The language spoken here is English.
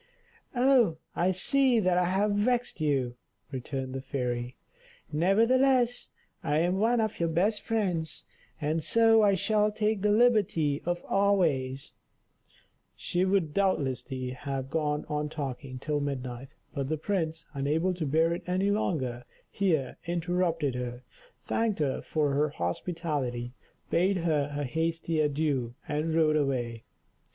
"Oh! I see that I have vexed you," returned the fairy. "Nevertheless, I am one of your best friends, and so I shall take the liberty of always " She would doubtless have gone on talking till midnight; but the prince, unable to bear it any longer, here interrupted her, thanked her for her hospitality, bade her a hasty adieu, and rode away.